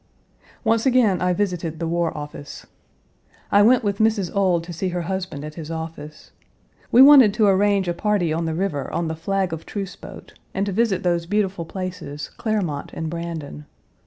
Once again I visited the War Office. I went with Mrs. Page 248 Ould to see her husband at his office. We wanted to arrange a party on the river on the flag of truce boat, and to visit those beautiful places, Claremont and Brandon.